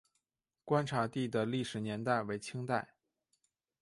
观察第的历史年代为清代。